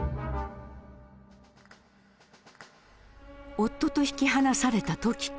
夫と引き離された時子。